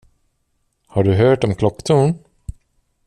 Har du hört om klocktorn?